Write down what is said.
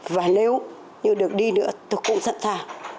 và nếu như được đi nữa tôi cũng sẵn sàng